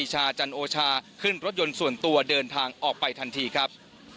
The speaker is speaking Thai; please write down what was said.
ชาจันโอชาขึ้นรถยนต์ส่วนตัวเดินทางออกไปทันทีครับ